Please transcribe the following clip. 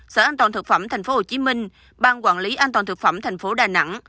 sở an toàn thực phẩm tp hcm ban quản lý an toàn thực phẩm tp đà nẵng